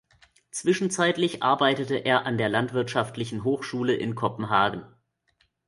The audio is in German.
Zwischenzeitlich arbeitete er an der Landwirtschaftlichen Hochschule in Kopenhagen.